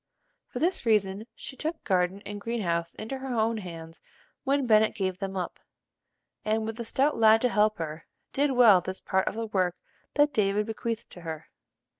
For this reason she took garden and green house into her own hands when Bennet gave them up, and, with a stout lad to help her, did well this part of the work that David bequeathed to her.